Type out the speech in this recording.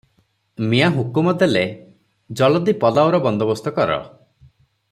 ମିଆଁ ହୁକୁମ ଦେଲେ, "ଯଲଦି ପଲାଉର ବନ୍ଦୋବସ୍ତ କର ।